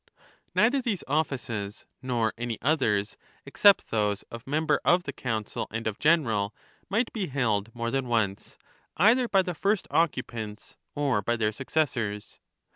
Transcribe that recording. Neither these offices nor any others, except those of member of the Council and of General, might l?e held more than once, either by the first occu pants or by their successors.